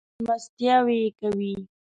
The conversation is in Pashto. مېلمستیاوې یې کوي.